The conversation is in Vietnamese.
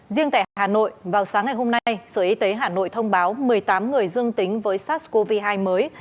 riêng tại hà nội vào sáng ngày hôm nay sở y tế hà nội thông báo một mươi tám người dương tính với sars cov hai mới